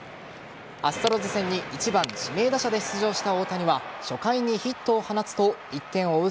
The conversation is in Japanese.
アストロズ戦に１番・指名打者で出場した大谷は初回にヒットを放つと１点を追う